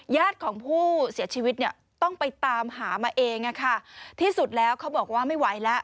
ญาติของผู้เสียชีวิตเนี่ยต้องไปตามหามาเองที่สุดแล้วเขาบอกว่าไม่ไหวแล้ว